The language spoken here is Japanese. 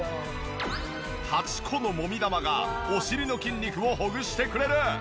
８個のもみ玉がお尻の筋肉をほぐしてくれる！